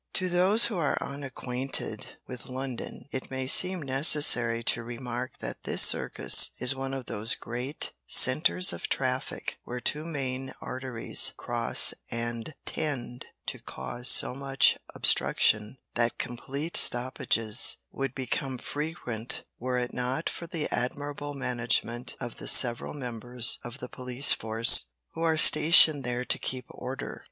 To those who are unacquainted with London, it may be necessary to remark that this circus is one of those great centres of traffic where two main arteries cross and tend to cause so much obstruction, that complete stoppages would become frequent were it not for the admirable management of the several members of the police force who are stationed there to keep order.